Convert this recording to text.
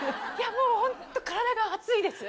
もうホント体が熱いです。